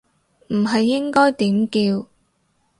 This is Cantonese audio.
唔係應該點叫